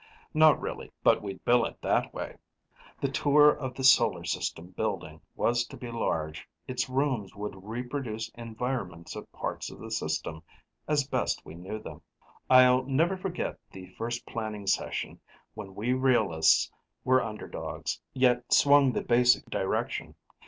Not really, but we'd bill it that way. The Tour of the Solar System Building was to be large. Its rooms would reproduce environments of parts of the System, as best we knew them. I'll never forget the first planning session when we realists were underdogs, yet swung the basic direction.